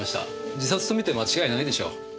自殺とみて間違いないでしょう。